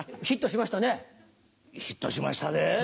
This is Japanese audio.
ヒットしましたで。